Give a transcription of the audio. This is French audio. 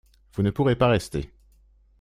Vous ne pourrez pas rester.